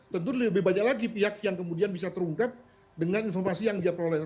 tentu lebih banyak lagi pihak yang kemudian bisa terungkap dengan informasi yang dia peroleh